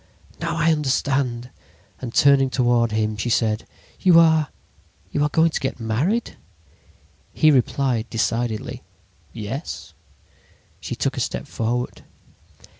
Now I understand: "And turning toward him, she said: "'You are—you are going to get married?' "He replied decidedly" 'Yes.' "She took a step forward.